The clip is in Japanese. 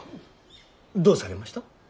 どうされました。